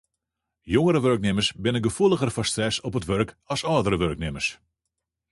Jongere wurknimmers binne gefoeliger foar stress op it wurk as âldere wurknimmers.